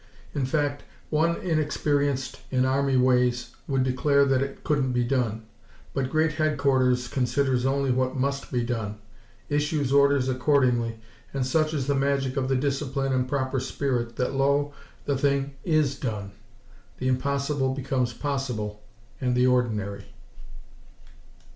In fact, one inexperienced in army ways would declare that it couldn't be done. But Great Headquarters considers only what must be done, issues orders accordingly, and such is the magic of discipline and proper spirit that lo! the thing is done. The impossible becomes possible and the ordinary!